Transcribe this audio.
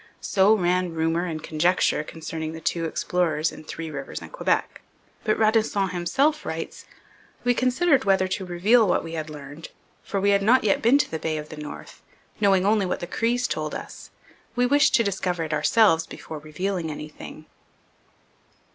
So ran rumour and conjecture concerning the two explorers in Three Rivers and Quebec; but Radisson himself writes: 'We considered whether to reveal what we had learned, for we had not yet been to the Bay of the North, knowing only what the Crees told us. We wished to discover it ourselves before revealing anything.'